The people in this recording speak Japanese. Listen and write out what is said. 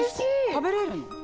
食べれるの？